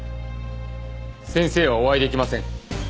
先生はお会いできません。